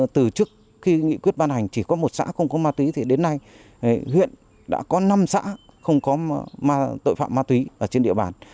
từ trước khi nghị quyết ban hành chỉ có một xã không có ma túy thì đến nay huyện đã có năm xã không có tội phạm ma túy ở trên địa bàn